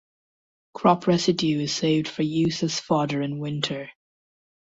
Crop residue is saved for use as fodder in winter.